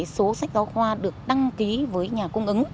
số sách giáo khoa được đăng ký với nhà cung ứng